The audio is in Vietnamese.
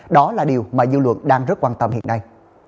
đó là điều mà dư luận đang rất quan tâm hiện nay